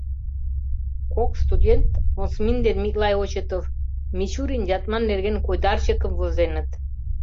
Кок студент, Осмин ден Миклай Очетов, Мичурин-Ятман нерген койдарчыкым возеныт.